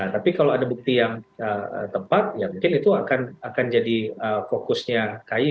tapi kalau ada bukti yang tepat ya mungkin itu akan jadi fokusnya kay